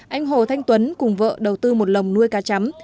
anh hồ thanh tuấn cùng vợ đầu tư một lồng nuôi cá chấm